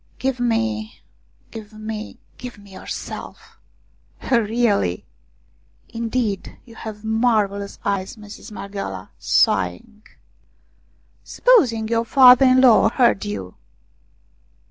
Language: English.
" Give me give me give me yourself." " Really "" Indeed, you have marvellous eyes, Mistress Marghioala !" sighing. " Supposing your father in law heard you